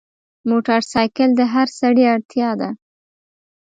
موټرسایکل د هر سړي اړتیا ده.